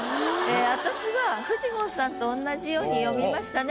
私はフジモンさんとおんなじように読みましたね